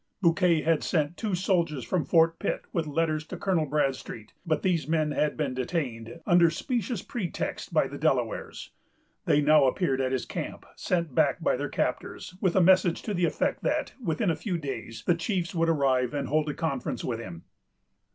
Bouquet had sent two soldiers from Fort Pitt with letters to Colonel Bradstreet; but these men had been detained, under specious pretexts, by the Delawares. They now appeared at his camp, sent back by their captors, with a message to the effect that, within a few days, the chiefs would arrive and hold a conference with him.